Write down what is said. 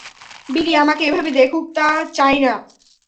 বিলি আমাকে এভাবে দেখুক তা চাই না!